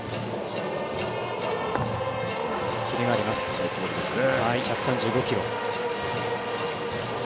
ナイスボールですね。